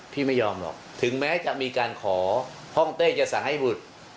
พี่ไม่ยอมหรอกถึงแม้จะมีการขอห้องเต้จะสั่งให้บุตร